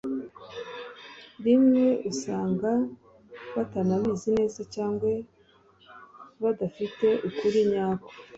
rimwe usanga batanabizi neza cyangwa badafite ukuri nyako